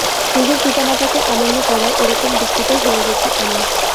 নিজের পিতামাতাকে অমান্য করায় এরকম বিকৃত হয়ে গেছি আমি।